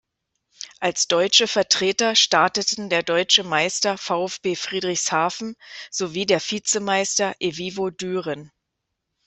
Als deutsche Vertreter starteten der deutsche Meister VfB Friedrichshafen sowie der Vizemeister evivo Düren.